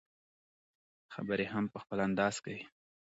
خبرې هم په خپل انداز کوي.